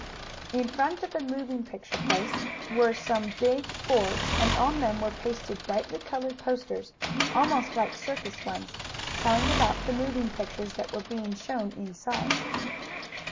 In front of the moving picture place were some big boards, and on them were pasted brightly colored posters, almost like circus ones, telling about the moving pictures that were being shown inside.